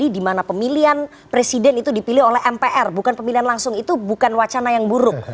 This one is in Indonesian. dimana pemilihan presiden itu dipilih oleh mpr bukan pemilihan langsung itu bukan wacana yang buruk